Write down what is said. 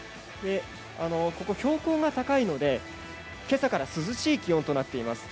標高が高いので今朝から涼しい気温となっています。